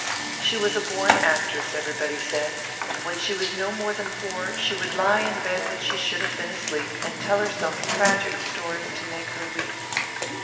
She was a born actress, everybody said. When she was no more than four, she would lie in bed when she should have been asleep, and tell herself tragic stories to make her weep.